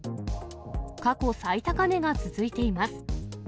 過去最高値が続いています。